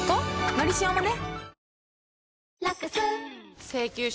「のりしお」もね